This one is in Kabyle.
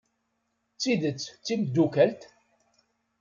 D tidet d timeddukalt?